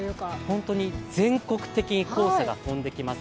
本当に全国的に黄砂が飛んできます。